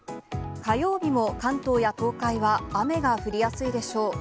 火曜日も関東や東海は雨が降りやすいでしょう。